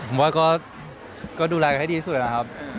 ผมเคยไปมาราชี้นึงครับ